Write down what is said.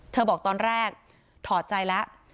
บอกตอนแรกถอดใจแล้ว